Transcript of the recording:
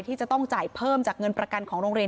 ที่จะต้องจ่ายเพิ่มจากเงินประกันของโรงเรียน